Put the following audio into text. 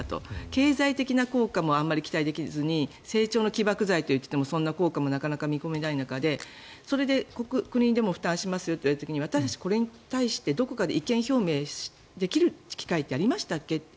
経済的な効果もあまり期待できずに成長の起爆剤といってもそんな効果もなかなか見込めない中でそれで国も負担しますよと言われた時に私たちこれに対してどこかで意見表明できる機会ってありましたっけと。